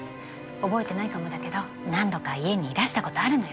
覚えてないかもだけど何度か家にいらした事あるのよ。